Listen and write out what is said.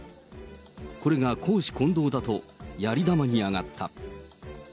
これが公私混同だと、やり玉に上がった。